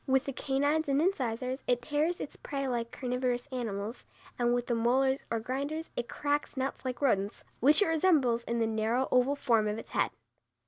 With the canines and incisors it tears its prey like carnivorous animals, and with the molars or grinders it cracks nuts like rodents, which it resembles in the narrow, oval form of its head.